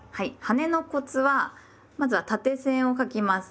はねのコツはまずは縦線を書きます。